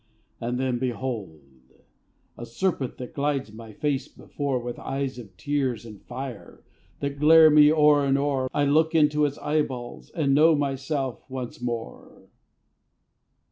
And then, behold! a serpent, That glides my face before, With eyes of tears and fire That glare me o'er and o'er I look into its eyeballs, And know myself once more.